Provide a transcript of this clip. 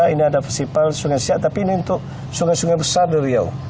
ini ada festival sungai siak tapi ini untuk sungai sungai besar dari riau